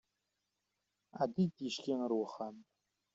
Ɛeddi-d ticki ar uxxam!